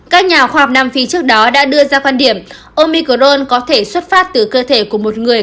các nhà khoa học nam phi trước đó đã đưa ra quan điểm omicrone có thể xuất phát từ cơ thể của một người